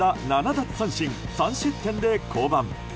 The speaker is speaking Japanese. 奪三振３失点で降板。